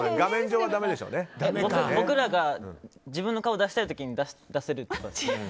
僕らが自分の顔を出したい時に出せるとか。